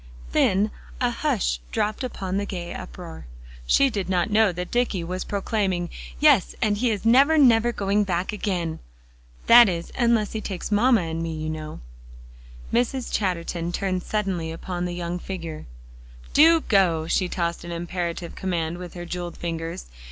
Then a hush dropped upon the gay uproar. She did not know that Dicky was proclaiming "Yes, and he is never, never going back again. That is, unless he takes mamma and me, you know." Mrs. Chatterton turned suddenly upon the young figure. "Do go!" She tossed an imperative command with her jeweled fingers.